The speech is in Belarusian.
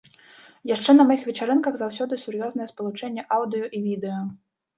Яшчэ на маіх вечарынках заўсёды сур'ёзнае спалучэнне аўдыё і відэа.